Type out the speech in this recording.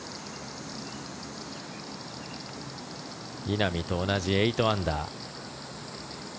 稲見と同じ８アンダー。